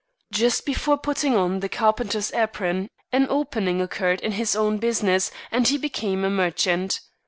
Just before putting on the carpenter's apron an opening occurred in his own business, and he became a merchant.